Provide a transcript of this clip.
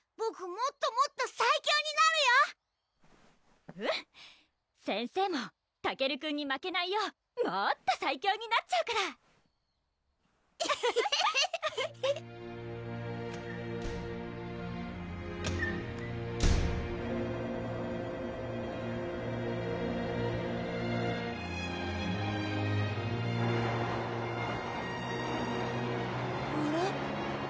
もっともっと最強になるようん先生もたけるくんに負けないようもーっと最強になっちゃうからフフフあれ？